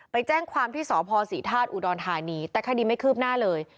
ไปแจ้งความที่สพศรีธาตุอุดรธานีแต่คดีไม่คืบหน้าเลย